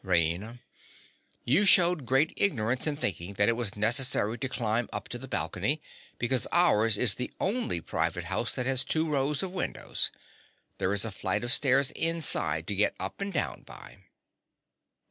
RAINA. You shewed great ignorance in thinking that it was necessary to climb up to the balcony, because ours is the only private house that has two rows of windows. There is a flight of stairs inside to get up and down by.